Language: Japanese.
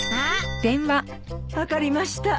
☎分かりました。